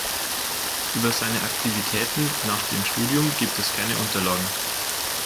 Über seine Aktivitäten nach dem Studium gibt es keine Unterlagen.